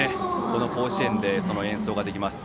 この甲子園でその演奏ができます。